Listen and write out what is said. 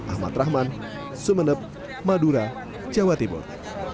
ahmad rahman sumeneb madura jawa timur